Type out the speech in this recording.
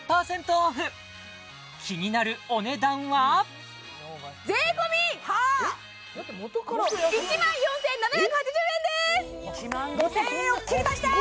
オフ気になるお値段は税込１万５０００円を切りました！